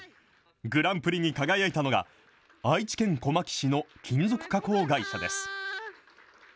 グランプリに輝いたのが、愛知県小牧市の金属加工会社です。